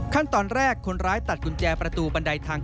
ขั้นตอนแรกคนร้ายตัดกุญแจประตูบันไดทาง